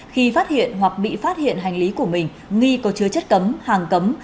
khi phát hiện hoặc bị phát hiện hành lý của mình nghi có chứa chất cấm hàng cấm